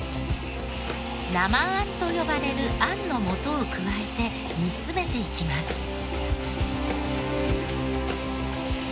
生あんと呼ばれるあんの素を加えて煮詰めていきます。